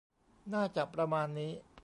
น่าจะประมาณนี้